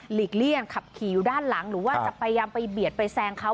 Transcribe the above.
เลี่ยงขับขี่อยู่ด้านหลังหรือว่าจะพยายามไปเบียดไปแซงเขา